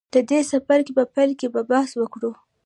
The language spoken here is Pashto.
د دې څپرکي په پیل کې به بحث وکړو.